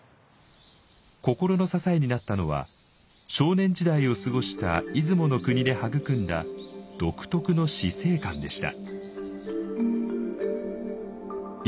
心の支えになったのは少年時代を過ごした出雲の国で育んだ独特の死生観でした。